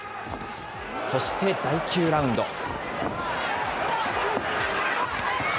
そして第９ラウンド。